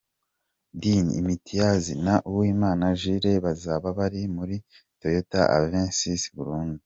Din Imitiaz na Uwimana Jules bazaba bari muri Toyota Avensis-Burundi.